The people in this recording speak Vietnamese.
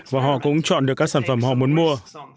và họ cũng chọn được các sản phẩm họ muốn mua